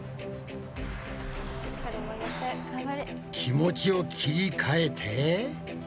気持ちを切り替えて。